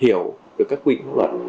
hiểu được các quy định pháp luật